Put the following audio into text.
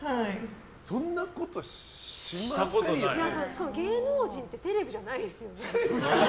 しかも芸能人ってセレブじゃないですよね。